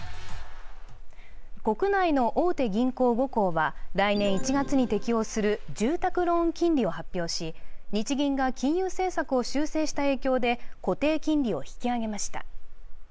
国内の大手銀行５行は来年１月に適用する住宅ローン金利を発表し、日銀が金融政策を修正した影響で固定金利を引き上げました。